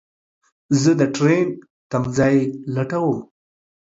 زه دټرين تم ځای لټوم